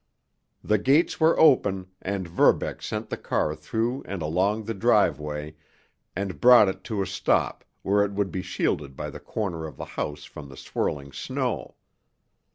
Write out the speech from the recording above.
The gates were open, and Verbeck sent the car through and along the driveway, and brought it to a stop where it would be shielded by the corner of the house from the swirling snow.